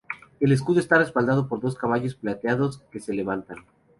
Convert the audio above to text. El escudo está respaldado por dos caballos plateados que se levantan.